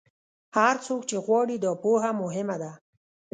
هر څوک څه غواړي، دا پوهه مهمه ده.